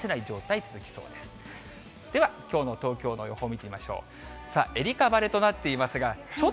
では、きょうの東京の予報見てみましょう。